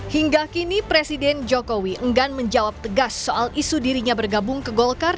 hingga kini presiden jokowi enggan menjawab tegas soal isu dirinya bergabung ke golkar